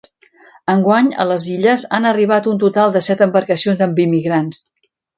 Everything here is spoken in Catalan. Enguany, a les Illes, han arribat un total de set embarcacions amb immigrants.